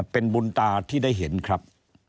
เป็นบุญตาที่ได้เห็นครับ